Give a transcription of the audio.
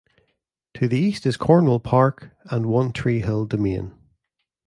To the east is Cornwall Park and One Tree Hill Domain.